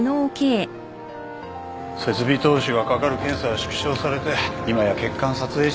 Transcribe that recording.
設備投資がかかる検査は縮小されて今や血管撮影室はただの物置。